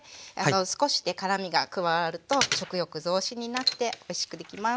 少しね辛みが加わると食欲増進になっておいしくできます。